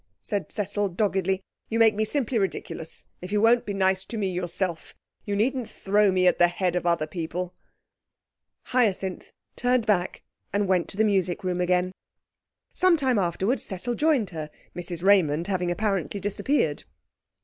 said Cecil doggedly. 'You make me simply ridiculous. If you won't be nice to me yourself, you needn't throw me at the head of other people.' Hyacinth turned back and went to the music room again. Some time afterwards Cecil joined her, Mrs Raymond having apparently disappeared.